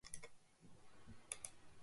Alde handiegia egon da bi bikoteen artean.